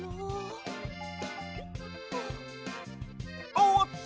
おっと！